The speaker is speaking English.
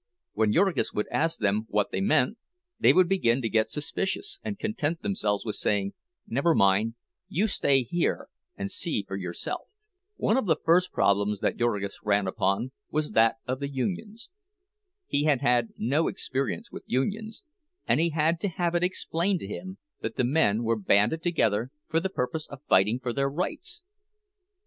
When Jurgis would ask them what they meant, they would begin to get suspicious, and content themselves with saying, "Never mind, you stay here and see for yourself." One of the first problems that Jurgis ran upon was that of the unions. He had had no experience with unions, and he had to have it explained to him that the men were banded together for the purpose of fighting for their rights.